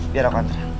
biar aku antar